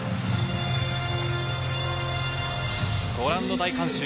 ご覧の大観衆。